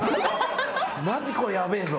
マジこれヤベえぞ。